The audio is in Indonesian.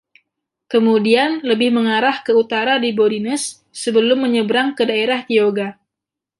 Kemudian lebih mengarah ke utara di Bodines sebelum menyeberang ke Daerah Tioga.